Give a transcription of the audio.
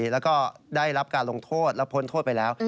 แล้วก็ได้รับการลงโทษแล้วพ้นโทษไปแล้ว